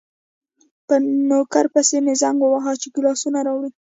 په نوکر پسې مې زنګ وواهه چې ګیلاسونه راوړي.